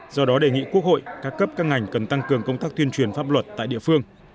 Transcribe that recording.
do đó đề nghị quốc hội các cấp các ngành cần tăng cường công tác tuyên truyền pháp luật tại địa phương